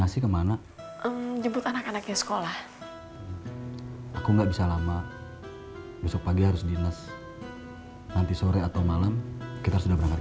sampai jumpa di video selanjutnya